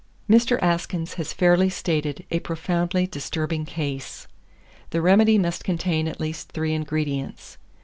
Mr. Askins has fairly stated a profoundly disturbing case. The remedy must contain at least three ingredients.